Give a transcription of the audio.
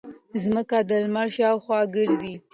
ځمکه د لمر شاوخوا ګرځي